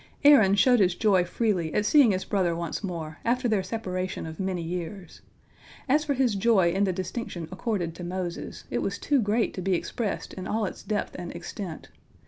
Aaron showed his joy freely at seeing his brother once more, after their separation of many years. As for his joy in the distinction accorded to Moses, it was too great to be expressed in all its depth and extent.